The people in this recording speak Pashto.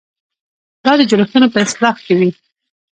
دا د جوړښتونو په اصلاح کې وي.